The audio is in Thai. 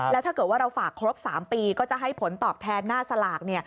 แล้วถ้าเกิดว่าเราฝากครบ๓ปีก็จะให้ผลตอบแทนหน้าสลาก